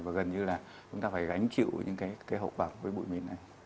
và gần như là chúng ta phải gánh chịu những cái hậu quả với bụi mịn này